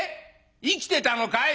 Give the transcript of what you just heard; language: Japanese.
生きてたのかい？」。